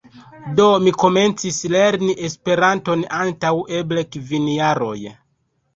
Do mi komencis lerni Esperanton antaŭ eble kvin jaroj.